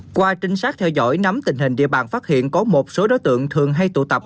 qua trinh sát theo dõi nắm tình hình địa bàn phát hiện có một số đối tượng thường hay tụ tập